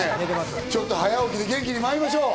ちょっと早起きで元気にまいりましょう。